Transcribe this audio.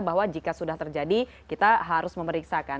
bahwa jika sudah terjadi kita harus memeriksakan